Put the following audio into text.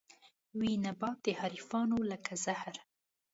وي نبات د حريفانو لکه زهر